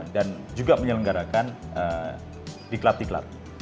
dan juga menyelenggarakan diklat diklat